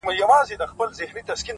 د خپل وجود پرهرولو کي اتل زه یم-